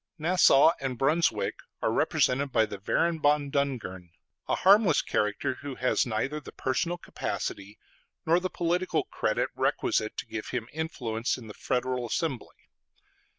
Nassau and Brunswick are represented by the Baron von Dungern, a harmless character, who has neither the personal capacity nor the political credit requisite to give him influence in the Federal Assembly.